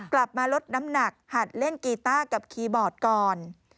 กลับมาลดน้ำหนักหัดเล่นกีต้ากับคีย์บอร์ดก่อน